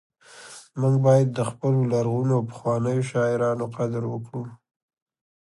موږ باید د خپلو لرغونو او پخوانیو شاعرانو قدر وکړو